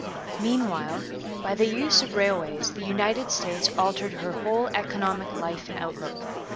Meanwhile, by the use of railways the United States altered her whole economic life and outlook.